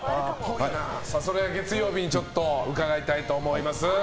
それは月曜日に伺いたいと思います。